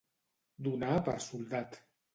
Donar per soldat.